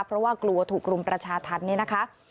เพราะว่ากลัวถูกรุมประชาธรรมเนี่ยนะคะ